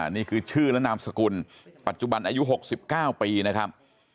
นี่คือชื่อและนามสกุลปัจจุบันอายุ๖๙ปีนะครับ